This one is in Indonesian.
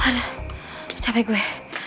aduh capek gue